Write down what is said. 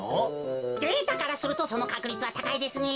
データからするとそのかくりつはたかいですね。